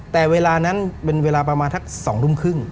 แต่เวลานั้นเป็นเวลาประมาณทัก๒ทุ่มครึ่ง